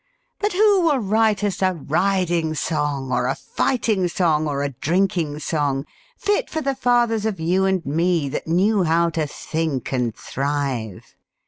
But who will write us a riding song Or a fighting song or a drinking song, Fit for the fathers of you and me, That knew how to think and thrive?